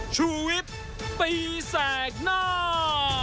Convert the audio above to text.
ชุวิตตีแสดหน้า